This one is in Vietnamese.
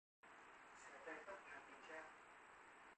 Xòe tay tóc thả tình trao